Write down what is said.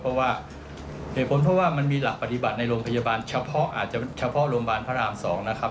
เพราะว่าเหตุผลเพราะว่ามันมีหลักปฏิบัติในโรงพยาบาลเฉพาะอาจจะเฉพาะโรงพยาบาลพระราม๒นะครับ